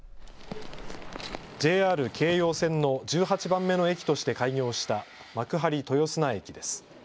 ＪＲ京葉線の１８番目の駅として開業した幕張豊砂駅です。